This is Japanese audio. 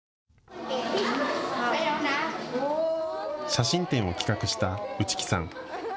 写真展を企画した内木さん。